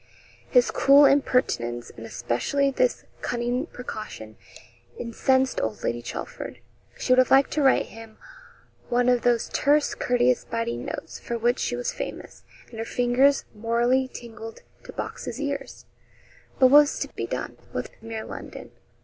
His cool impertinence, and especially this cunning precaution, incensed old Lady Chelford. She would have liked to write him one of those terse, courteous, biting notes, for which she was famous; and her fingers, morally, tingled to box his ears. But what was to be done with mere 'London?'